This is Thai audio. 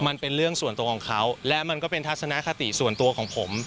มันเป็นเรื่องส่วนตัวของเขาและมันก็เป็นทัศนคติส่วนตัวของผม